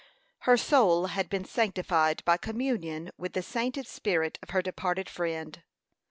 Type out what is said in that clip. Her soul had been sanctified by communion with the sainted spirit of her departed friend.